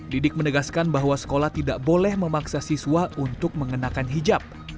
didik menegaskan bahwa sekolah tidak boleh memaksa siswa untuk mengenakan hijab